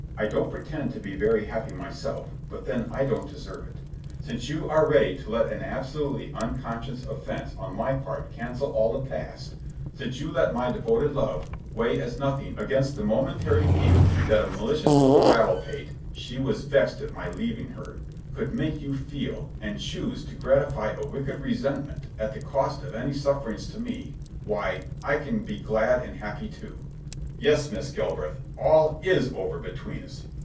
I don't pretend to be very happy myself, but then, I don't deserve it. Since you are ready to let an absolutely unconscious offence on my part cancel all the past; since you let my devoted love weigh as nothing against the momentary pique that a malicious little rattle pate—she was vexed at my leaving her—could make you feel, and choose to gratify a wicked resentment at the cost of any suffering to me, why, I can be glad and happy too." With rising anger, "Yes, Miss Galbraith. All is over between us.